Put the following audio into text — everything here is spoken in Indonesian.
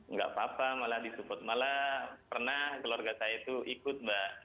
nggak apa apa malah disupport malah pernah keluarga saya itu ikut mbak